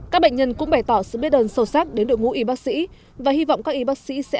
các bệnh nhân cũng bày tỏ sự biết đơn sâu sắc đến đội ngũ y bác sĩ và hy vọng các y bác sĩ sẽ